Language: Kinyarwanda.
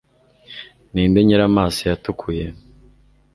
ni nde nyir'amaso yatukuye